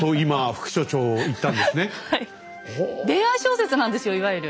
恋愛小説なんですよいわゆる。